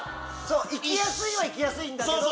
行きやすいは行きやすいんだけど。